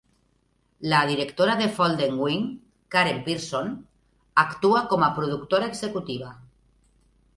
La directora de Folded Wing, Karen Pearson, actua com a productora executiva.